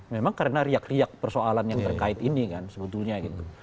memang karena riak riak persoalan yang terkait ini kan sebetulnya gitu